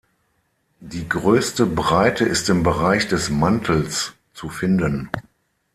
Die größte Breite ist im Bereich des Mantels zu finden.